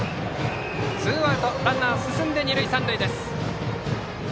ツーアウト、ランナー進んで三塁二塁です。